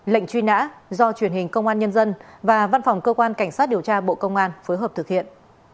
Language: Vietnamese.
lệnh truy nã do truyền hình công an nhân dân và văn phòng cơ quan cảnh sát điều tra bộ công an phối hợp thực hiện